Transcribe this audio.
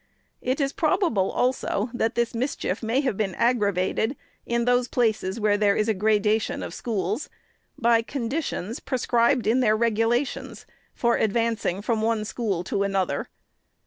It is probable, also, that this mischief may have been aggravated, in those places where there is a gradation of schools, by the conditions, prescribed in their regulations, for advancing from one school to another.